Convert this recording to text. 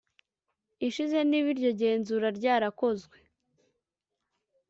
ishize niba iryo genzura ryarakozwe